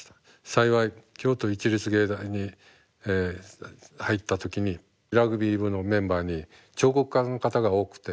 幸い京都市立芸大に入った時にラグビー部のメンバーに彫刻家の方が多くて。